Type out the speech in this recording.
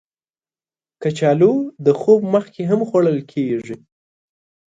کچالو د خوب مخکې هم خوړل کېږي